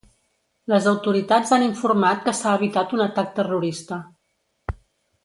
Les autoritats han informat que s’ha evitat un atac terrorista.